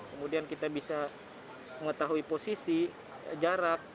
kemudian kita bisa mengetahui posisi jarak